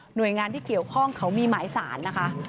โดยงานที่เกี่ยวข้องเขามีหมายสารนะคะ